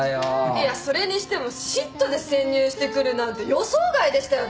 いやそれにしてもＳＩＴで潜入してくるなんて予想外でしたよね？